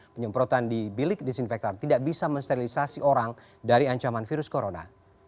penyemprotan di bilik disinfektan tidak bisa mensterilisasi orang dari ancaman virus corona